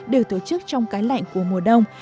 được tổ chức trong cái lạnh của mùa đông